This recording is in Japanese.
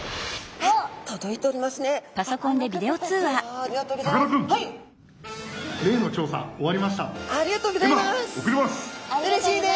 ありがとうございます。